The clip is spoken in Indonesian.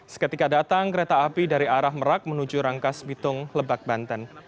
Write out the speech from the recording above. seketika datang kereta api dari arah merak menuju rangkas bitung lebak banten